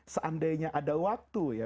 seandainya ada waktu ya